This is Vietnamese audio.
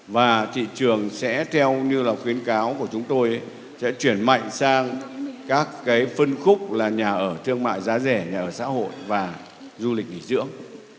và thị trường sẽ theo như là khuyến cáo của chúng tôi sẽ chuyển mạnh sang các phân khúc là nhà ở thương mại giá rẻ nhà ở xã hội và du lịch nghỉ dưỡng